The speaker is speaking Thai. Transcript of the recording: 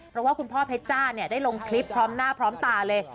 เพราะว่าคุณพ่อเพชรจ้าเนี่ยได้ลงคลิปพร้อมหน้าพร้อมตาเลย